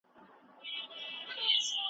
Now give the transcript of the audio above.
اقليتونه په سوله کي ژوند کولای سي.